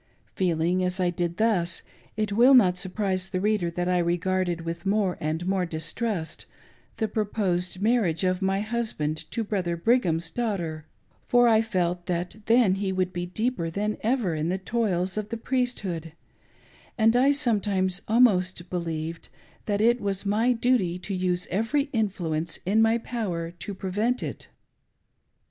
Feeling as I did thus, it will not surprise the reader that I regarded with more and more distrust the^ proposed marriage of my husband to Brother Brigham's daughter ; f or I felt that then he would be deeper than ever in the toils of the Priesthood, and I sometimes alnaost believed that it was my duty to use every influence in my power to prevent it.